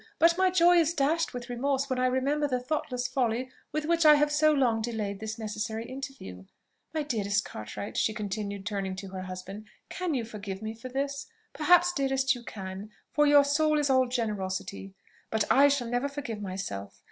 But my joy is dashed with remorse when I remember the thoughtless folly with which I have so long delayed this necessary interview. My dearest Cartwright," she continued, turning to her husband, "can you forgive me for this? Perhaps, dearest, you can, for your soul is all generosity. But I shall never forgive myself.